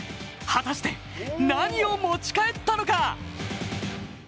果たして何を持ち帰ったのか？